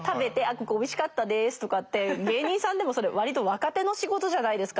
ここおいしかったですとかって芸人さんでもそれ割と若手の仕事じゃないですか。